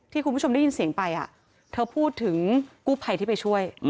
คุณผู้ชมได้ยินเสียงไปเธอพูดถึงกู้ภัยที่ไปช่วย